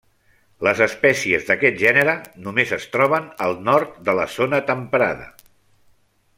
Les espècies d'aquest gènere només es troben al nord de la zona temperada.